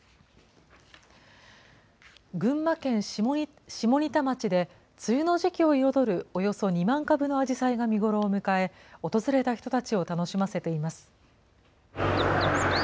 群馬県下仁田町で、梅雨の時期を彩るおよそ２万株のアジサイが見頃を迎え、訪れた人たちを楽しませています。